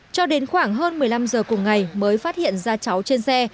cho đến khoảng hơn một mươi năm giờ cùng ngày mới phát hiện ra cháu trên xe